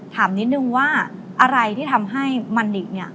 ถามนิดนึงว่าอะไรที่ทำให้มันนิกเนี่ย